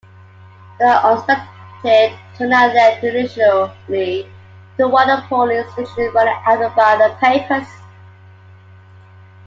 The unexpected turnout led unusually to one polling station running out of ballot papers.